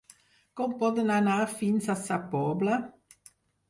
Com podem anar fins a Sa Pobla?